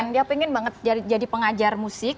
dia pengen banget jadi pengajar musik